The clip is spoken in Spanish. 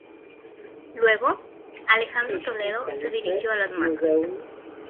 Luego, Alejandro Toledo se dirigió a las masas.